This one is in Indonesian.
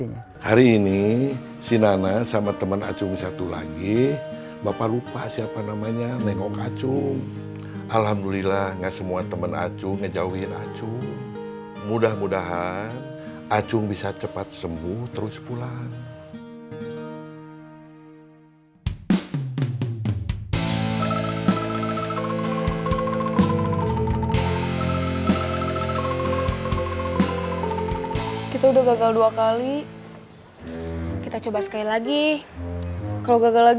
iya kan tadi udah kenal iya kan tadi udah kenal iya kan tadi udah kenal iya kan tadi udah kenal